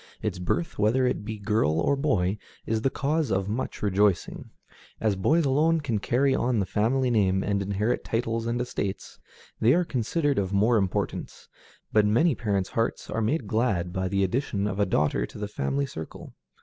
Its birth, whether it be girl or boy, is the cause of much rejoicing. As boys alone can carry on the family name and inherit titles and estates, they are considered of more importance, but many parents' hearts are made glad by the addition of a daughter to the family circle.